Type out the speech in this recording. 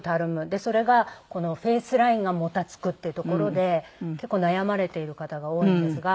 でそれがこのフェースラインがもたつくっていうところで結構悩まれている方が多いんですが。